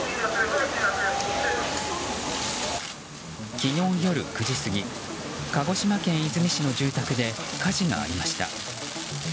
昨日夜９時過ぎ鹿児島県出水市の住宅で火事がありました。